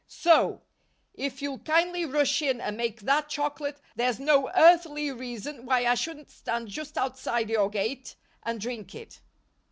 So, if you'll kindly rush in and make that chocolate, there's no earthly reason why I shouldn't stand just outside your gate and drink it."